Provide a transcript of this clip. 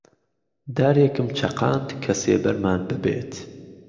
دارێکم چەقاند کە سێبەرمان ببێت